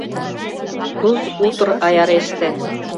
— Туз утыр аяреште.